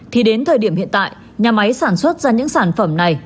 thì đến thời điểm hiện tại nhà máy sản xuất ra những sản phẩm này